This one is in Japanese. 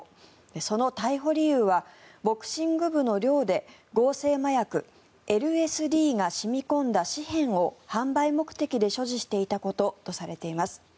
その逮捕理由はボクシング部の寮で合成麻薬ＬＳＤが染み込んだ紙片を販売目的で所持していたこととされています。